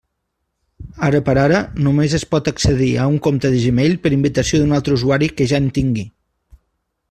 Ara per ara, només es pot accedir a un compte de Gmail per invitació d'un altre usuari que ja en tingui.